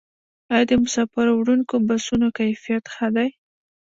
آیا د مسافروړونکو بسونو کیفیت ښه دی؟